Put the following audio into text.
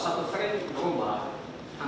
jadi kalau ada perubahan